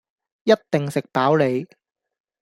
一定食飽你